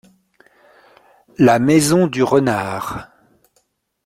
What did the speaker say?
La maison du renard.